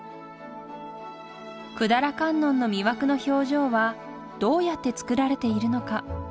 百済観音の魅惑の表情はどうやって作られているのか。